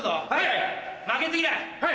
はい！